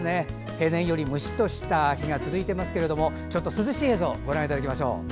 平年よりムシッとした日が続いていますがちょっと涼しい映像ご覧いただきましょう。